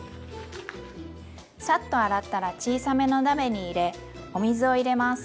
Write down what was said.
サッと洗ったら小さめの鍋に入れお水を入れます。